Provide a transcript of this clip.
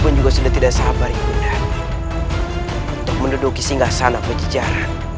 aku pun juga sudah tidak sabar ibu nani untuk menduduki singgah sana pajajaran